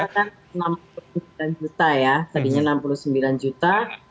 kan enam puluh sembilan juta ya tadinya enam puluh sembilan juta